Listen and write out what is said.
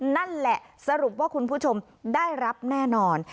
นั่นแหละสรุปว่าคุณผู้ชมได้รับแน่นอน